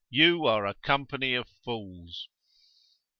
you are a company of fools.